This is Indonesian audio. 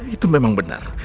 itu memang benar